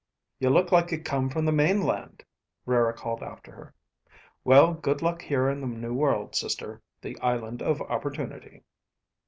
"You look like you come from the mainland," Rara called after her. "Well, good luck here in the New World, sister, the Island of Opportunity."